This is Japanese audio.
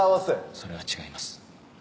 それは違います。